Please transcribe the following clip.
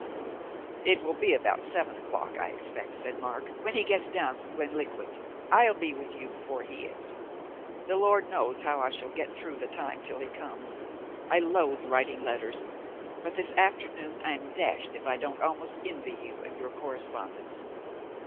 "It will be about seven o'clock, I expect," said Mark, "when he gets down from Glenkliquart. I'll be with you before he is. The Lord knows how I shall get through the time till he comes. I loathe writing letters, but this afternoon I'm dashed if I don't almost envy you and your correspondence."